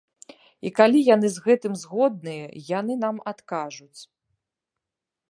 І калі яны з гэтым згодныя, яны нам адкажуць.